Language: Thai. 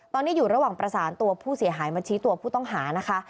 ตอนนี้อยู่ระหว่างประสานตัวผู้เสียหายมาชี้ตัวผู้ต้องหานะคะ